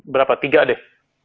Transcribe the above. berapa tiga deh